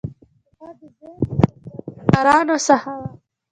پخوا ډیزاین د کسبکارانو ساحه وه.